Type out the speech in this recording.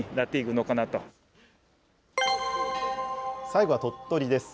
最後は鳥取です。